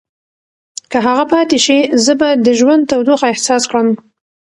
که هغه پاتې شي، زه به د ژوند تودوخه احساس کړم.